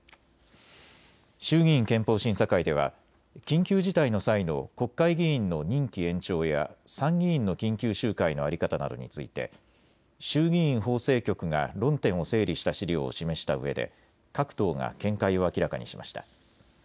衆議院憲法審査会では緊急事態の際の国会議員の任期延長や参議院の緊急集会の在り方などについて衆議院法制局が論点を整理した資料を示したうえで各党が見解を明らかにしました。